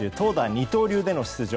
二刀流での出場。